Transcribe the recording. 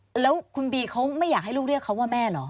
แล้วคุณบีเขาไม่อยากให้ลูกเรียกเขาว่าแม่เหรอ